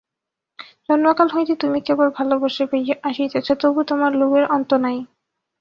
জন্মকাল হইতে তুমি কেবল ভালোবাসাই পাইয়া আসিতেছ, তবু তোমার লোভের অন্ত নাই।